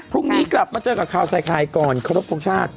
พรุ่งนี้กลับมาเจอกับคาวไซคัยขออนุมณีกันก่อนครับ